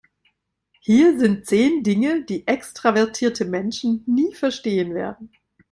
Hier sind zehn Dinge, die extravertierte Menschen nie verstehen werden.